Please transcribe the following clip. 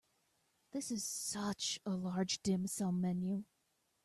This is such a large dim sum menu.